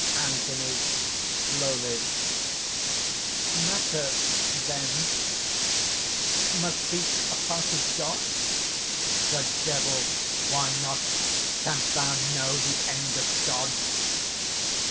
ANTHONY (slowly): "Matter ..., then, ... must be a part of God?" THE DEVIL. "Why not? Canst thou know the end of God?"